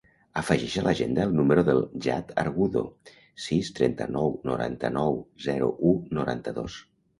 Afegeix a l'agenda el número del Jad Argudo: sis, trenta-nou, noranta-nou, zero, u, noranta-dos.